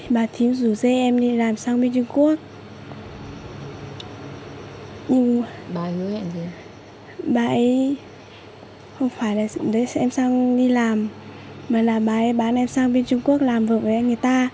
bà thím rủ dê em đi làm sang bên trung quốc